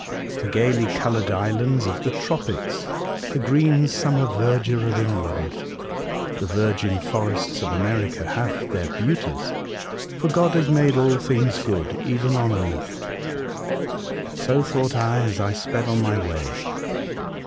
The gaily coloured islands of the tropics, the green summer verdure of England, the virgin forests of America, have their beauties ; for God has made all things good, even on earth." So thought I as I sped on my way.